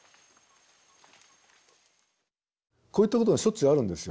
こういったことがしょっちゅうあるんですよ。